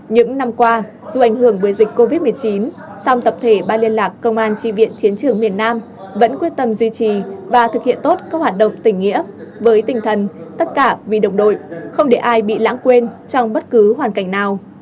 những năm qua dù ảnh hưởng bởi dịch covid một mươi chín song tập thể ban liên lạc công an tri viện chiến trường miền nam vẫn quyết tâm duy trì và thực hiện tốt các hoạt động tỉnh nghĩa với tinh thần tất cả vì đồng đội không để ai bị lãng quên trong bất cứ hoàn cảnh nào